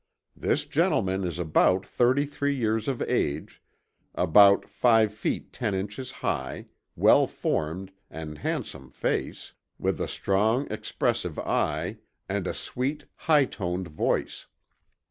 This Gentleman is about thirty three years of age, about five feet ten Inches high, well formed, an handsome face, with a strong expressive Eye, and a sweet high toned voice.